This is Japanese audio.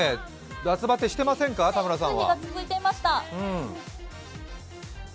夏バテしていませんか、田村さんは？